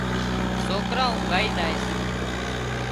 سوڪران اونگھائي زائي سي